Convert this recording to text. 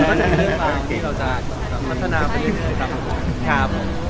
เราก็จะรับมาส่งครับ